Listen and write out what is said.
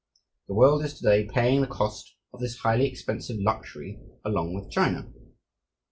The world is to day paying the cost of this highly expensive luxury along with China.